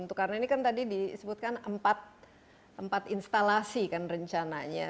karena ini kan tadi disebutkan empat instalasi kan rencananya